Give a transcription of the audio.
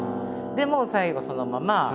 でもう最後そのまま。